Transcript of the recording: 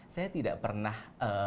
saya tidak pernah